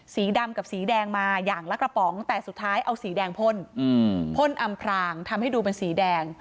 สีดำกับสีแดงมาอย่างละกระป๋องแต่สุดท้ายเอาสีแดงพ่นพ่นอำพรางทำให้ดูเป็นสีแดง